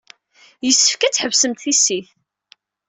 Yessefk ad tḥebsemt tissit.